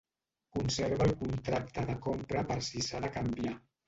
Conserva el contracte de compra per si s'ha de canviar.